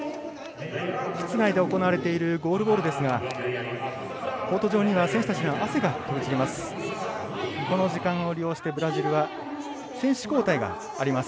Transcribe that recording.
室内で行われているゴールボールですがコート上には選手たちの汗が飛び散ります。